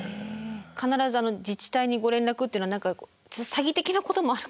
必ず自治体にご連絡っていうのは詐欺的なこともある